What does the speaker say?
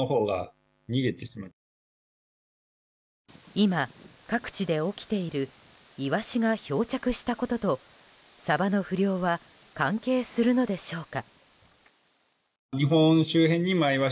今、各地で起きているイワシが漂着したこととサバの不漁は関係するのでしょうか。